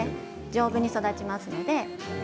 丈夫に育ちます。